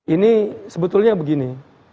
ini sebetulnya begini